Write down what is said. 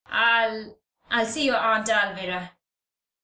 I'll I'll see your Aunt Alvirah."